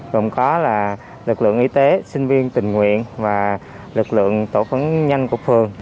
còn có là lực lượng y tế sinh viên tình nguyện và lực lượng tổ phản ứng nhanh của phường